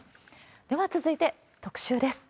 では続いて、特集です。